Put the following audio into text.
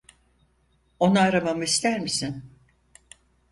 Onu aramamı ister misin?